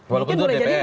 walaupun itu dpr